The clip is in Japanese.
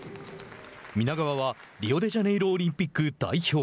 皆川はリオデジャネイロオリンピック代表。